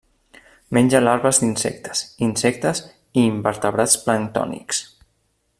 Menja larves d'insectes, insectes i invertebrats planctònics.